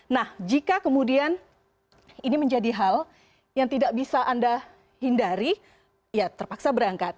nah jika kemudian ini menjadi hal yang tidak bisa anda hindari ya terpaksa berangkat